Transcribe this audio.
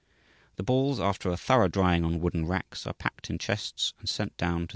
The balls, after a thorough drying on wooden racks, are packed in chests and sent down to the auction.